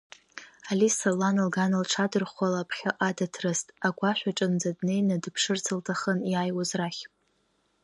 Алиса лан лган лҽадырӷәӷәала ԥхьаҟа дыҭрыст, агәашәаҿынӡа днеины дыԥшырц лҭахын иааиуаз рахь.